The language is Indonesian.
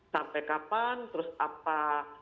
sampai kapan terus apa